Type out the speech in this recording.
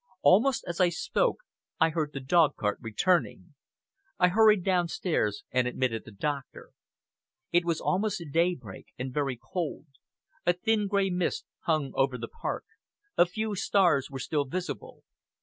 Almost as I spoke, I heard the dog cart returning. I hurried downstairs and admitted the doctor. It was almost daybreak and very cold. A thin, grey mist hung over the park; a few stars were still visible.